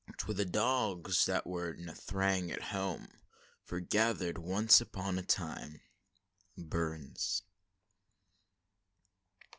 "Twa dogs, that were na thrang at hame, Forgather'd ance upon a time." BURNS.